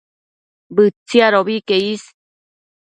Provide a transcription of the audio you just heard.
Bëtsiadobi que is